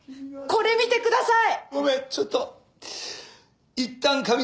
これ見てください。